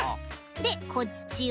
でこっちを。